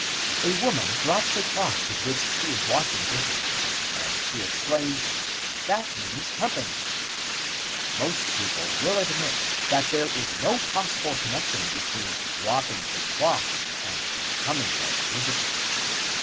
A woman drops a cloth with which she is washing dishes, and she exclaims: "That means company." Most people will admit that there is no possible connection between dropping the cloth and the coming of visitors.